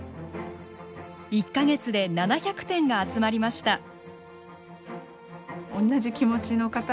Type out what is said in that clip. １か月で７００点が集まりました。